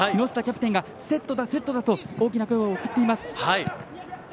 木下キャプテンがセットだと大きな声を送っています。